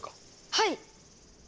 はい！